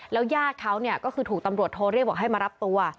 แล้วยาดเขาก็คือถูกตำรวจโทรเรียกบอกให้มารับตัว